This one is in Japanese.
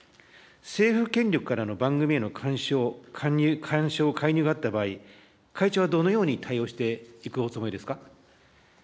政府権力からの番組への干渉、介入があった場合、会長はどのように対応していくおつもりですか。